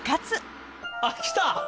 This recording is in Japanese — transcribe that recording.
あっ来た！